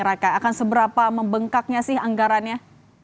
akan seberapa membengkaknya sih anggarannya